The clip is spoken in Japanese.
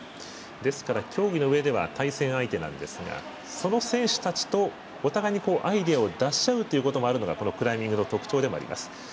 ですから競技のうえでは対戦相手なんですがその選手たちとお互いにアイデアを出し合うというのもこのクライミングの特徴でもあります。